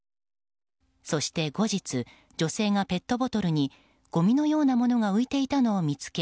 そして後日女性がペットボトルにごみのようなものが浮いていたのを見つけ